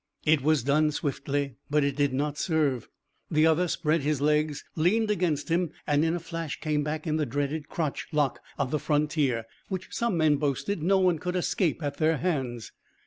It was done swiftly, but it did not serve. The other spread his legs, leaned against him, and in a flash came back in the dreaded crotch lock of the frontier, which some men boasted no one could escape at their hands.